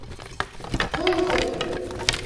Ҡул ҡуй!